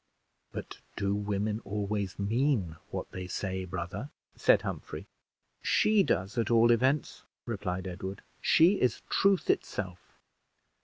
"But do women always mean what they say, brother?" said Humphrey. "She does, at all events," replied Edward; "she is truth itself.